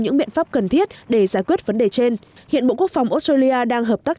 những biện pháp cần thiết để giải quyết vấn đề trên hiện bộ quốc phòng australia đang hợp tác